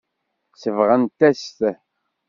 Sebɣent-as-t.